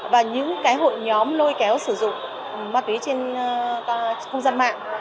và những hội nhóm lôi kéo sử dụng ma túy trên công dân mạng